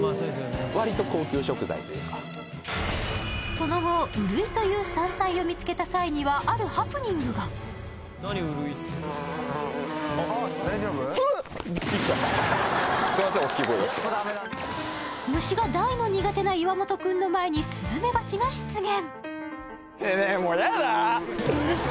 その後ウルイという山菜を見つけた際にはあるハプニングが虫が大の苦手な岩本君の前にスズメバチが出現